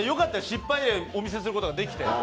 失敗例をお見せすることができて。